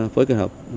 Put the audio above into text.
phối kỷ hợp